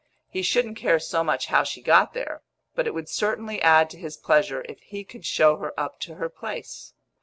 He shouldn't care so much how she got there, but it would certainly add to his pleasure if he could show her up to her place.